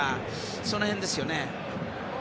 その辺ですよね。